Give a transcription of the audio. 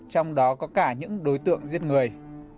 trong đó có cả những đối tượng giết người